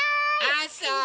あそう！